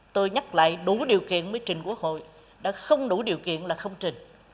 tôi nhắc lại đủ điều kiện mới trình quốc hội đã không đủ điều kiện là không trình